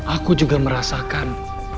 aku juga merasakan